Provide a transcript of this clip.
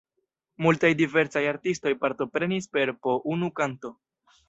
Multaj diversaj artistoj partoprenis per po unu kanto.